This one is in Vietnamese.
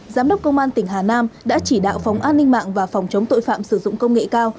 giám đốc công an tỉnh hà nam đã chỉ đạo phòng an ninh mạng và phòng chống tội phạm sử dụng công nghệ cao